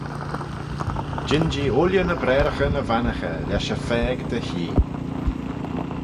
Jean jee ooilley ny braaraghyn y vannaghey lesh y phaag dy hee.